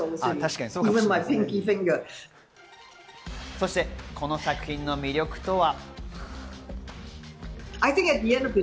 そして、この作品の魅力とは？